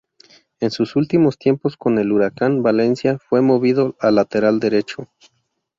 En sus últimos tiempos con el Huracán Valencia, fue movido al lateral derecho.